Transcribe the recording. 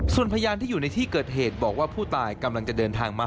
ส่วนพยานที่อยู่ในที่เกิดเหตุบอกว่าผู้ตายกำลังจะเดินทางมา